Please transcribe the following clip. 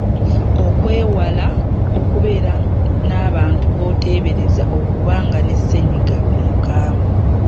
Okwewala okubeera n’abantu b’oteebereza okuba nga ne ssennyiga omukambwe.